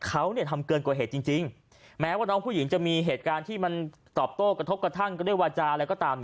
เขาทำเกินกว่าเหตุจริงแม้ว่าน้องผู้หญิงจะมีเหตุการณ์ที่มันตอบโต้กระทบกระทั่งกันด้วยวาจาอะไรก็ตาม